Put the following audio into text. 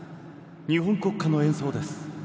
日本国歌の演奏です。